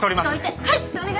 はい！